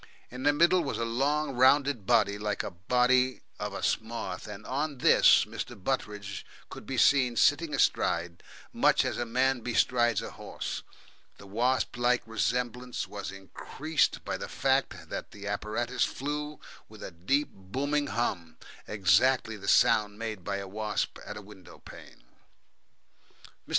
In the middle was a long rounded body like the body of a moth, and on this Mr. Butteridge could be seen sitting astride, much as a man bestrides a horse. The wasp like resemblance was increased by the fact that the apparatus flew with a deep booming hum, exactly the sound made by a wasp at a windowpane. Mr.